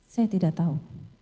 saya tidak tahu